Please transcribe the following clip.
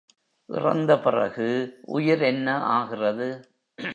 இறந்த பிறகு உயிர் என்ன ஆகிறது?